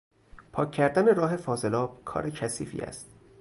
پاک کردن راه فاضلاب کار کثیفی است.